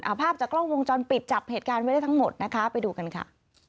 ภาพจากกล้องวงจรปิดจับเหตุการณ์ไว้ได้ทั้งหมดนะคะไปดูกันค่ะ